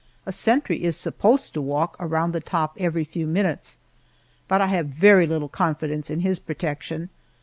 A sentry is supposed to walk around the top every few minutes, but I have very little confidence in his protection.